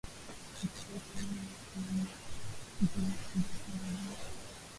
kutoka utawala wa Waosmani Vita Kuu ya Kwanza ya